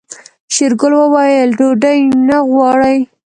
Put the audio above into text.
شېرګل وويل ډوډۍ نه غواړي.